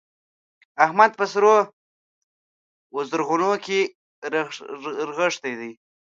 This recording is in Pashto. احمد په سره و زرغونه کې رغښتی دی.